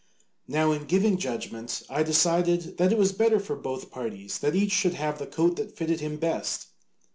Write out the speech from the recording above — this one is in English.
Now in giving judgment I decided that it was better for both parties that each should have the coat that fitted him best.